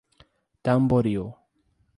Tamboril